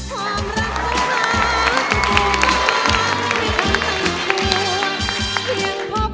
ขอบคุณครับ